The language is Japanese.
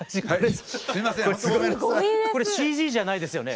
すごいです！これＣＧじゃないですよね？